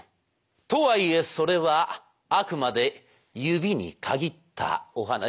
とはいえそれはあくまで「指」に限ったお話。